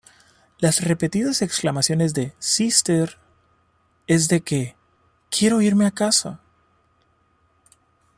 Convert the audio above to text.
Las repetidas exclamaciones de "Sister", es de que "Quiero irme a casa".